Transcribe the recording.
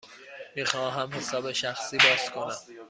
می خواهم حساب شخصی باز کنم.